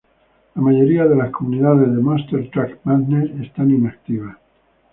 La mayoría de las comunidades de "Monster Truck Madness" están inactivas.